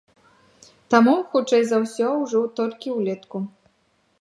Таму, хутчэй за ўсё, ужо толькі ўлетку.